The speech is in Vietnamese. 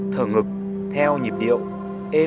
thở ngực theo nhịp điệu êm nhẹ đều